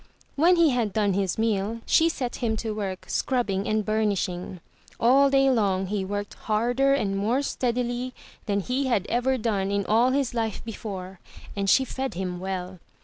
When he had done his meal, she set him to work scrubbing and burnishing. All day long he worked harder and more steadily than he had ever done in all his life before and she fed him well.